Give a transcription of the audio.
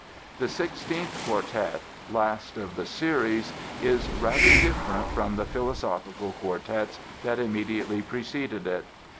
The sixteenth quartet, last of the series, is rather different from the philosophical quartets that immediately preceded it.